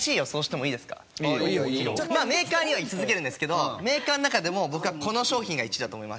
まあメーカーには居続けるんですけどメーカーの中でも僕はこの商品が１位だと思います。